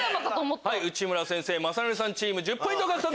内村先生・雅紀さんチーム１０ポイント獲得！